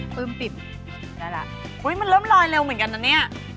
ปึ้มปิดหรือไม่หรอกได้ละมันเริ่มลอยเร็วเหมือนกันนะเนี่ย